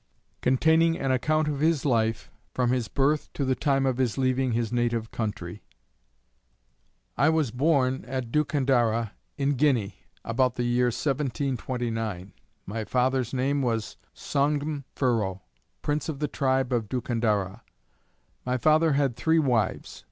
Containing an account of his life, from his birth to the time of his leaving his native country. I was born at Dukandarra, in Guinea, about the year 1729. My father's name was Saungm Furro, Prince of the Tribe of Dukandarra. My father had three wives.